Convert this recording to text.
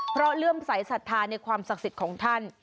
เพราะเลื่อมใสสัทธาในความศักดิ์สิทธิ์ของท่าน